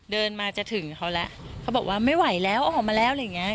เดินมาจะถึงเขาแล้วเขาบอกว่าไม่ไหวแล้วเอาออกมาแล้วอะไรอย่างเงี้